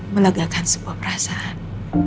melagakan sebuah perasaan